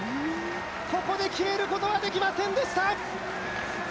ここで決めることはできませんでした。